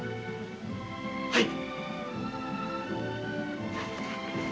はい。